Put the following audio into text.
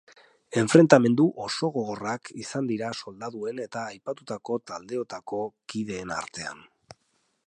Enfrentamendu oso gogorrak izan dira soldaduen eta aipatutako taldeotako kideen artean.